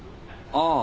ああ。